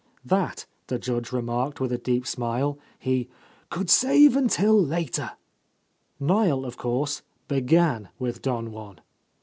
That, the Judge remarked, with a deep smile, he "could save until — 8o — A Lost Ijady later." Niel, of course, began mth "Pon Juan."